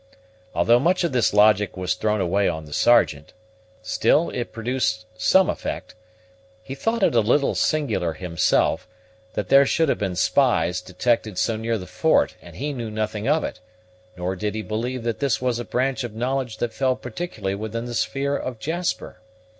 Although much of this logic was thrown away on the Sergeant, still it produced some effect. He thought it a little singular himself, that there should have been spies detected so near the fort and he know nothing of it; nor did he believe that this was a branch of knowledge that fell particularly within the sphere of Jasper.